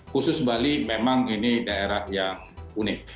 khusus bali memang ini daerah yang unik